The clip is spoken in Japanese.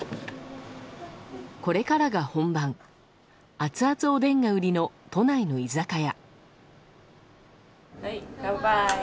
これからが本番アツアツおでんが売りの都内の居酒屋。